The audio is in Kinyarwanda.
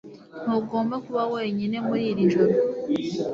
Ntugomba kuba wenyine muri iri joro